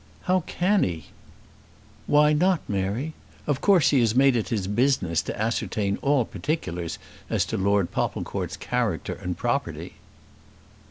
"How can he?" "Why not, Mary? Of course he has made it his business to ascertain all particulars as to Lord Popplecourt's character and property."